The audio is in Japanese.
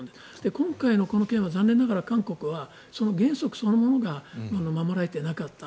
今回のこの件は残念ながら韓国は原則そのものが守られていなかった。